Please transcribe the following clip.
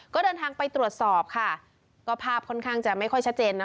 ก็เดินทางไปตรวจสอบค่ะก็ภาพค่อนข้างจะไม่ค่อยชัดเจนนะ